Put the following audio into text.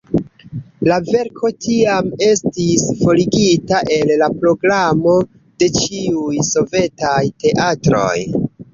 La verko tiam estis forigita el la programo de ĉiuj sovetaj teatroj.